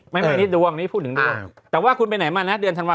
ไม่มีดวงนี้พูดถึงดวงแต่ว่าคุณไปไหนมานะเดือนธันวาค